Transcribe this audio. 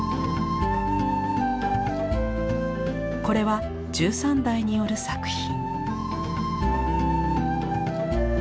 これは十三代による作品。